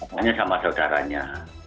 makanya sama saudaranya